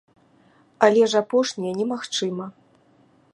Але ж апошняе немагчыма.